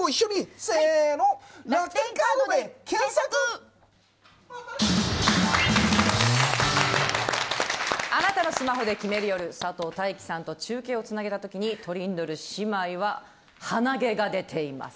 貴方のスマホで決める夜佐藤大樹さんと中継をつなげたときにトリンドル姉妹は鼻毛が出ています。